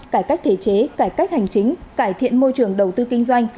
cải cách thể chế cải cách hành chính cải thiện môi trường đầu tư kinh doanh